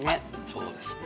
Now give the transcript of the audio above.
そうですね。